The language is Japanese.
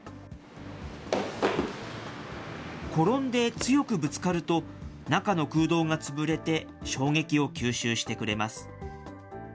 転んで強くぶつかると中の空洞が潰れて、衝撃を吸収してくれます。